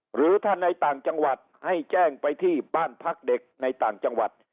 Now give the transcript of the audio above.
หรือถ้าในต่างจังหวัดให้แจ้งไปที่บ้านพักเด็กในต่างจังหวัด